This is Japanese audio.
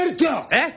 えっ？